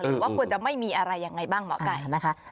ว่าควรจะไม่มีอะไรยังไงบ้างหมอไก่นะคะ